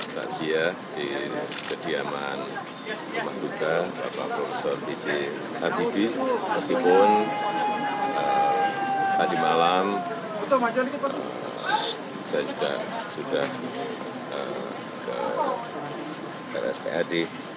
saya di kediaman rumah duka bapak prof biji habibie meskipun tadi malam saya sudah ke rsphd